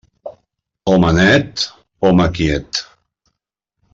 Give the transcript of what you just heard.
Home net, home quiet.